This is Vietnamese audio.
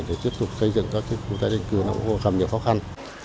để tiếp tục xây dựng cho chúng ta đến cửa nó cũng gặp nhiều khó khăn